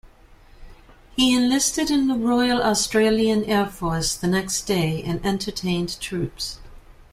He enlisted in the Royal Australian Air Force the next day and entertained troops.